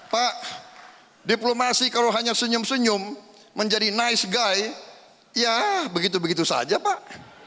pak diplomasi kalau hanya senyum senyum menjadi nice guy ya begitu begitu saja pak